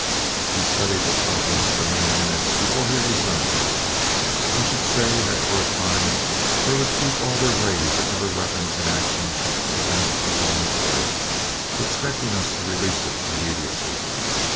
He studied the problem for many minutes before he resumed, "I should say that for a time they would keep all their rays and other weapons in action against the zone of force, expecting us to release it immediately.